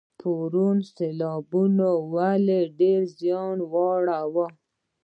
د پروان سیلابونو ولې ډیر زیان واړوه؟